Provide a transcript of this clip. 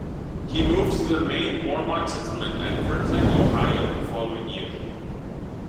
He moved to the main Mormon settlement at Kirtland, Ohio the following year.